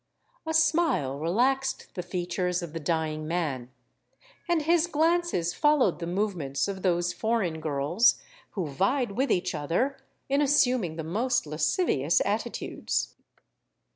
A smile relaxed the features of the dying man; and his glances followed the movements of those foreign girls who vied with each other in assuming the most lascivious attitudes.